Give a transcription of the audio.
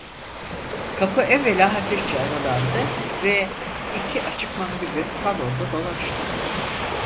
Kapı evvela hafifçe aralandı ve iki açık mavi göz salonda dolaştı.